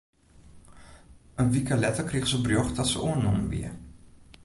In wike letter krige se berjocht dat se oannommen wie.